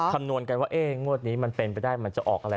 คำนวณกันว่างวดนี้มันเป็นไปได้มันจะออกอะไร